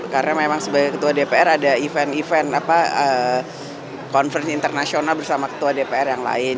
karena memang sebagai ketua dpr ada event event apa conference internasional bersama ketua dpr yang lain